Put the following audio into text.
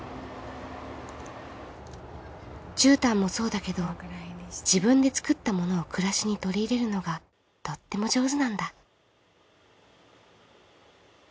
絨毯もそうだけど自分で作ったものを暮らしに取り入れるのがとっても上手なんだ。